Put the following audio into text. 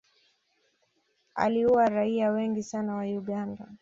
aliua raia wengi sana wa uganda